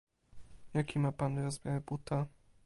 Jaki ma pan rozmiar buta?